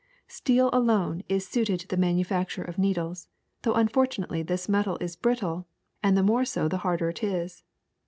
Steel alone is suited to the manu facture of needles, though unfortunately this metal is brittle, and the more so the harder it is.